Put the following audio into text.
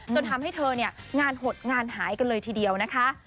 จนทำให้เธอเนี่ยงานหดงานหายกันเลยทีเดียวนะคะ